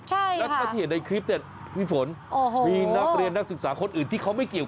ใช่ค่ะแล้วที่เห็นในคลิปเนี่ยวิฝนโอ้โหมีนักเรียนนักศึกษาคนอื่นที่เขาไม่เกี่ยวข้อ